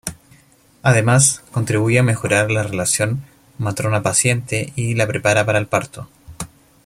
Además, contribuye a mejorar la relación matrona-paciente y la prepara para el parto.